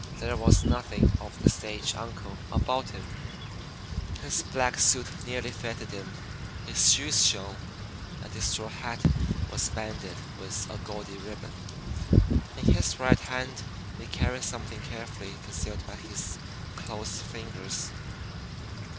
There was nothing of the stage "uncle" about him: his black suit nearly fitted him; his shoes shone, and his straw hat was banded with a gaudy ribbon. In his right hand he carried something carefully concealed by his closed fingers.